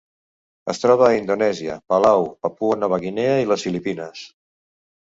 Es troba a Indonèsia, Palau, Papua Nova Guinea i les Filipines.